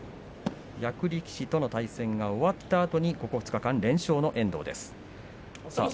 役力士との対戦が終わったあとここ２日間、連勝の遠藤です。